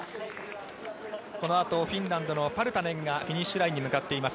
このあとフィンランドのパルタネンがフィニッシュラインに向かっています。